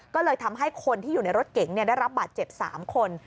ก็เลยทำให้คนที่อยู่ในรถเก๋งได้รับบาดเจ็บ๓คน